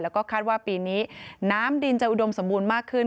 แล้วก็คาดว่าปีนี้น้ำดินจะอุดมสมบูรณ์มากขึ้น